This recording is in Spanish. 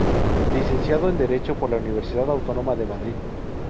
Licenciado en Derecho por la Universidad Autónoma de Madrid.